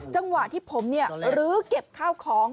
จังหวะที่ผมลื้อเก็บข้าวของ